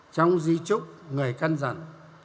trong di trúc người khăn rằng